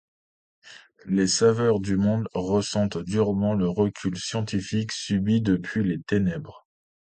Les sauveurs du monde ressentent durement le recul scientifique subi depuis les Ténèbres.